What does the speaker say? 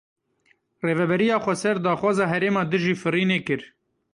Rêveberiya Xweser daxwaza herêma dijî firînê kir.